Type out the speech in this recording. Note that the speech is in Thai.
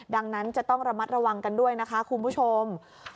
ดังนั้นจะต้องระมัดระวังกันด้วยนะคะคุณผู้ชม